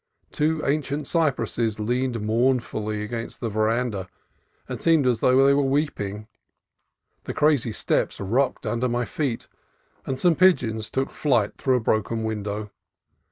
Two ancient cypresses leaned mournfully against the veranda, and seemed as though they were weeping; the crazy steps rocked under my feet; and some pigeons took flight through a broken window.